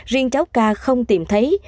riêng cháu k không tìm thấy